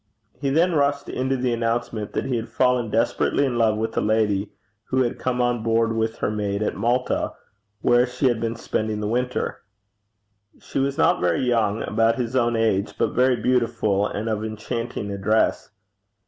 He then rushed into the announcement that he had fallen desperately in love with a lady who had come on board with her maid at Malta, where she had been spending the winter. She was not very young, about his own age, but very beautiful, and of enchanting address.